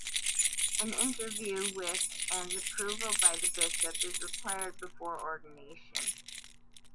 An interview with and approval by the bishop is required before ordination.